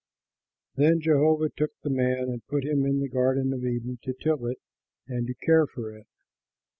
Then Jehovah took the man and put him in the garden of Eden to till it and to care for it.